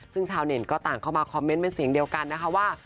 ซึ่งชาวเน็ตก็ต่างเข้ามาคอมเมนต์เป็นเสียงเดียวกันนะคะว่า